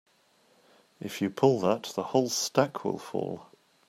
If you pull that the whole stack will fall.